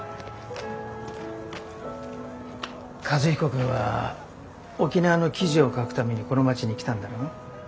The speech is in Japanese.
和彦君は沖縄の記事を書くためにこの町に来たんだろ？